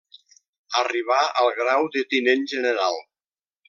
Arribà al grau de tinent general.